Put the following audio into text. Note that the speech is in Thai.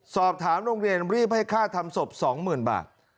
สอบถามโรงเรียนรีบให้ค่าทำศพ๒๐๐๐บาท